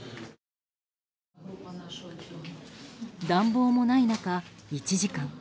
暖房もない中、１時間。